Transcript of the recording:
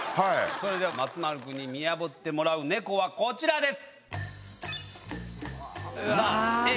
松丸君に見破ってもらうネコはこちらです。